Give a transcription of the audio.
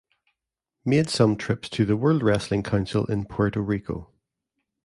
Made some trips to the World Wrestling Council in Puerto Rico.